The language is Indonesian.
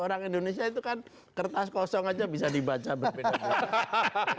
orang indonesia itu kan kertas kosong aja bisa dibaca berbeda